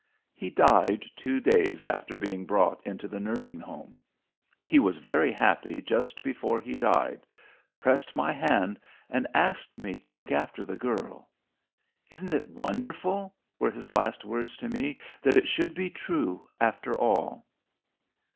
He died two days after being brought into the Nursing Home. He was very happy just before he died, pressed my hand and asked me to look after the girl.... "Isn't it wonderful," were his last words to me, "that it should be true after all?"